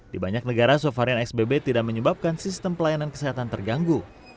di banyak negara subvarian xbb tidak menyebabkan sistem pelayanan kesehatan terganggu